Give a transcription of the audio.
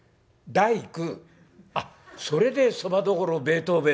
『第九』あっそれでそば処ベートーベン」。